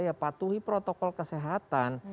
ya patuhi protokol kesehatan